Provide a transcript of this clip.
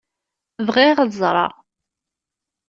Bɣiɣ ad ẓṛeɣ.